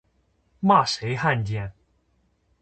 骂谁汉奸